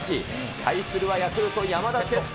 対するはヤクルト山田哲人。